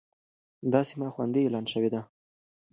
دا سيمه خوندي اعلان شوې ده.